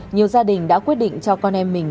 nhiều gia đình đã quyết định cho con em mình